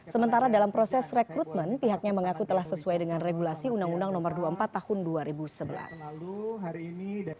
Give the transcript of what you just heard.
sementara dalam proses rekrutmen pihaknya mengaku telah sesuai dengan regulasi undang undang no dua puluh empat tahun dua ribu sebelas